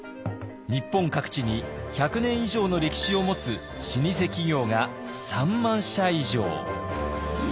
日本各地に百年以上の歴史を持つ老舗企業が３万社以上。